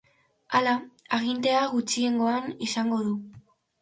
Hala, agintea gutxiengoan izango du.